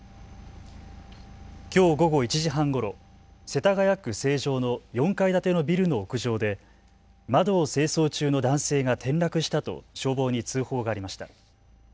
きょう午後１時半ごろ、世田谷区成城の４階建てのビルの屋上で窓を清掃中の男性が転落したと消防に通報がありました。